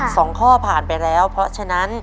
สองข้อผ่านไปแล้วเพราะฉะนั้น